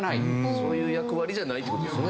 そういう役割じゃないって事ですね。